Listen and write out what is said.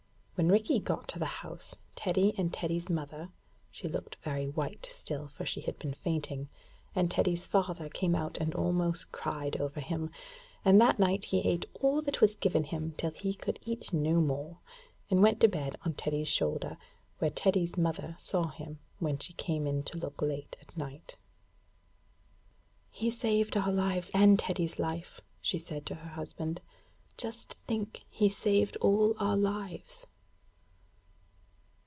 When Rikki got to the house, Teddy and Teddy's mother (she looked very white still, for she had been fainting) and Teddy's father came out and almost cried over him; and that night he ate all that was given him till he could I eat no more, and went to bed on Teddy's shoulder, where Teddy's mother saw him when she came to look late at night. 'He saved our lives and Teddy's life,' she said to her husband. 'Just think, he saved all our lives.'